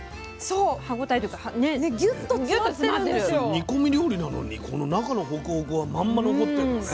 煮込み料理なのにこの中のホクホクはまんま残ってんのね。